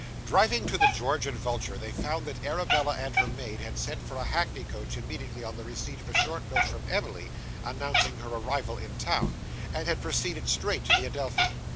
Driving to the George and Vulture, they found that Arabella and her maid had sent for a hackney coach immediately on the receipt of a short note from Emily announcing her arrival in town, and had proceeded straight to the Adelphi.